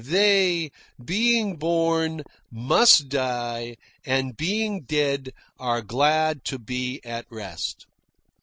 They, being born, must die, and, being dead, are glad to be at rest."